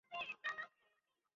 গুরুত্বপূর্ণ একটা পয়েন্ট।